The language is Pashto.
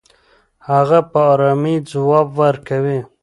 هغه په ارامۍ ځواب ورکوي.